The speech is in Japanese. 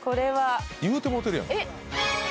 言うてもうてる。